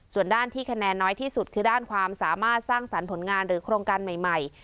ส่วนด้านที่คะแนนน้อยที่สุดคือด้านความสามารถสร้างสรรค์ผลงานหรือโครงการใหม่